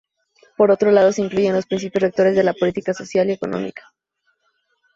Por otro lado se incluyen los principios rectores de la política social y económica.